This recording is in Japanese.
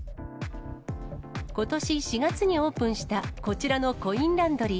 ことし４月にオープンしたこちらのコインランドリー。